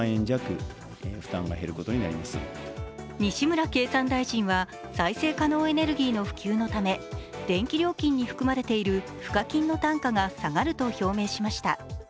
西村経産大臣は再生可能エネルギーの普及のため電気料金に含まれている賦課金の単価が下がると表明しました。